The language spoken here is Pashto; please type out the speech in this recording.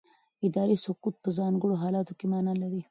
اداري سکوت په ځانګړو حالاتو کې معنا لري.